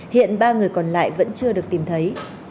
hiện ba người còn lại vẫn chưa được tìm thấy